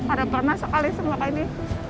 ada pernah sekali semua ini